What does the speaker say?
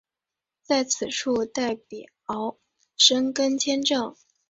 在此处代表申根签证。